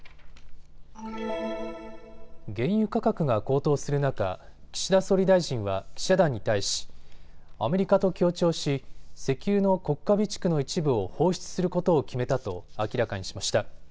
原油価格が高騰する中、岸田総理大臣は記者団に対しアメリカと協調し石油の国家備蓄の一部を放出することを決めたと明らかにしました。